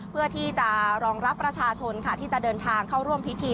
เพื่อที่จะรองรับประชาชนค่ะที่จะเดินทางเข้าร่วมพิธี